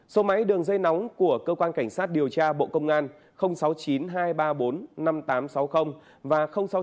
số máy đường dây nóng của cơ quan cảnh sát điều tra bộ công an sáu mươi chín hai trăm ba mươi bốn năm nghìn tám trăm sáu mươi và sáu mươi chín hai trăm ba mươi hai một nghìn sáu trăm bảy